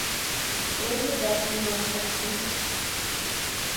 They're the best and worst of me.